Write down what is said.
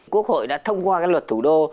quốc hội đã thông qua cái luật thủ đô